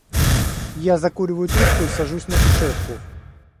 Я закуриваю трубку и сажусь на кушетку.